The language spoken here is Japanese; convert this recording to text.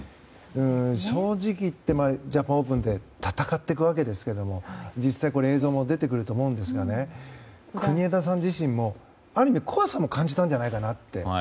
正直いって、ジャパンオープンで戦っていくわけですが実際、映像も出てくると思うんですが国枝さん自身も、ある意味怖さも感じたんじゃないかなって。